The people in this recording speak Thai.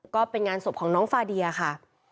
ก็เป็นงานศพของน้องฟาเดียค่ะ